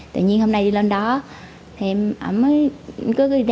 tự nhiên hôm nay đi lên lầu anh cũng không có thể bước lên lầu